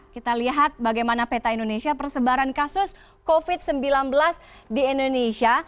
kita lihat bagaimana peta indonesia persebaran kasus covid sembilan belas di indonesia